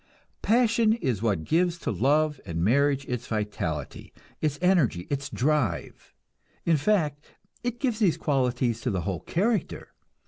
Passion is what gives to love and marriage its vitality, its energy, its drive; in fact, it gives these qualities to the whole character.